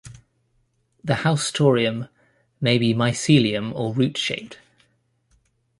The haustorium may be mycelium or root-shaped.